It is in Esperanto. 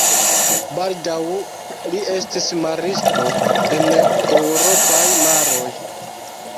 Baldaŭ li estis maristo en eŭropaj maroj.